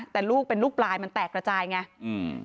แต่ลูกเป็นลูกปลายมันแตกระจายไงอืม